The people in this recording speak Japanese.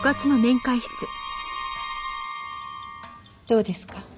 どうですか？